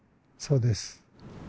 そうです。